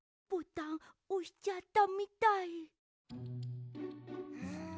ボタンおしちゃったみたい。